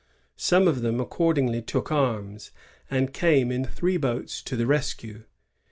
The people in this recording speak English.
Some of them accordingly took arms, and came in three boats to the rescue.